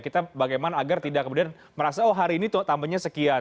kita bagaimana agar tidak kemudian merasa oh hari ini tambahnya sekian